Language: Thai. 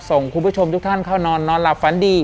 ส่งคุณผู้ชมทุกท่านเข้านอนนอนหลับฝันดี